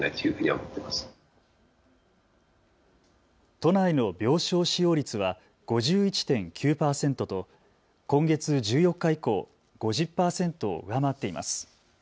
都内の病床使用率は５１．９％と今月１４日以降、５０％を上回っています。